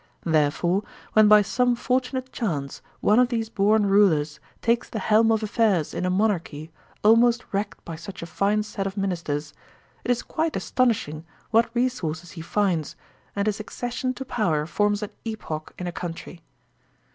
Therefore, when by some fortunate chance one of these bom rulers takes the helm of affairs in a monarchy almost wrecked by such a fine set of ministers, it is quite aston ishing what resources he finds, and his accession to power forms an epoch in a country.